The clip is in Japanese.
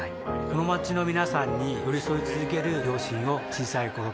この街の皆さんに寄り添い続ける両親を小さい頃から見ていました